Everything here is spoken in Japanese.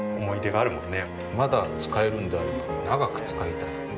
まだ使えるんであれば長く使いたい。